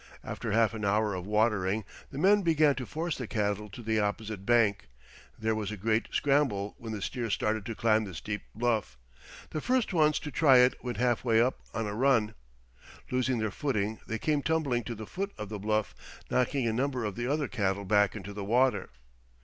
After half an hour of watering, the men began to force the cattle to the opposite bank. There was a great scramble when the steers started to climb the steep bluff. The first ones to try it went half way up on a run. Losing their footing they came tumbling to the foot of the bluff, knocking a number of the other cattle back into the water.